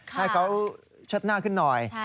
ให้เขาเชิดหน้าขึ้นหน่อย